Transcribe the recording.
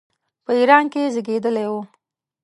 په ایران کې زېږېدلی وو.